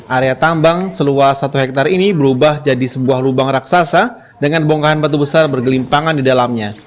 area tambang seluas satu hektare ini berubah jadi sebuah lubang raksasa dengan bongkahan batu besar bergelimpangan di dalamnya